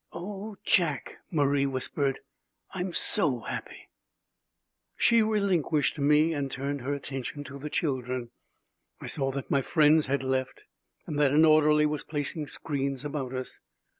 "Oh, Jack," Marie whispered, "I'm so happy." She relinquished me and turned her attention to the children. I saw that my friends had left and that an orderly was placing screens about us.